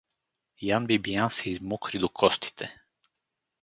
Ян Бибиян се измокри до костите.